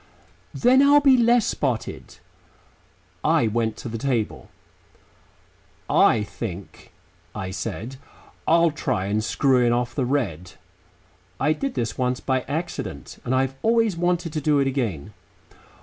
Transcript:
"Then I'll be less spotted." I went to the table. "I think," I said, "I'll try and screw in off the red." (I did this once by accident and I've always wanted to do it again.)